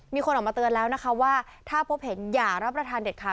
มีคนออกมาเตือนแล้วนะคะว่าถ้าพบเห็นอย่ารับประทานเด็ดขาด